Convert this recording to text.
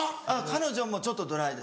彼女もちょっとドライ。